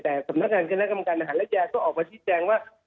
แต่สำนักงานคณะกรรมการอาหารและยาก็ออกมาชี้แจงว่า